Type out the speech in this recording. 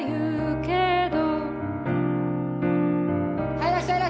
はいいらっしゃい！